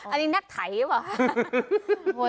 อันนี้นักไถว่ะ